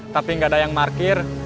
tapi gak ada yang markir